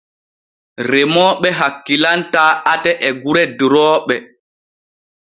Remooɓe hakkilantaa ate e gure durooɓe.